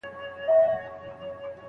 خدايه! هغه نقيب لونگ مې لا په ذهن کې دی